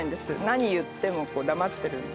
何言っても黙ってるんで。